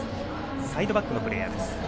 サイドバックのプレーヤーです。